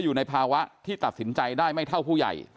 อยู่ในภาวะที่ตัดสินใจได้ไม่เท่าผู้ใหญ่